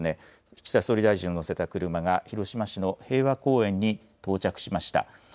岸田総理大臣を乗せた車が広島市の平和公園に到着しました。